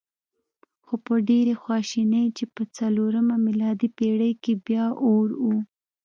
خو په ډېرې خواشینۍ چې په څلورمه میلادي پېړۍ کې بیا اور و.